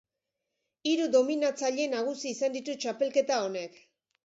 Hiru dominatzaile nagusi izan ditu txapelketa honek.